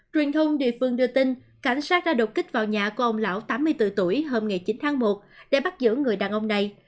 truyền thông địa phương đưa tin cảnh sát đã đột kích vào nhà của ông lão tám mươi bốn tuổi hôm ngày chín tháng một để bắt giữ người đàn ông này